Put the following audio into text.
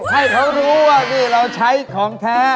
ให้เขารู้ว่านี่เราใช้ของแท้